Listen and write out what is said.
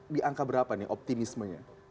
di angka berapa nih optimismenya